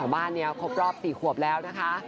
คนของบ้านเนี่ยครบรอบ๔ควบแล้วนะคะ